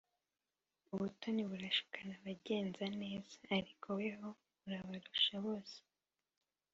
Ubutoni burashukana bagenza neza, ariko weho urabarusha bose